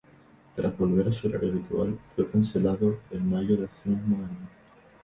Tras volver a su horario habitual, fue cancelado en mayo de ese mismo año.